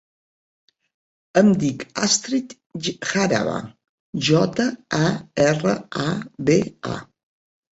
Em dic Astrid Jaraba: jota, a, erra, a, be, a.